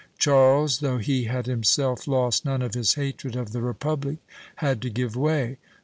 Charles, though he had himself lost none of his hatred of the republic, had to give way.